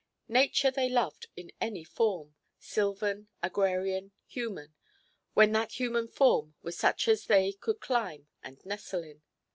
Nature they loved in any form, sylvan, agrarian, human, when that human form was such as they could climb and nestle in.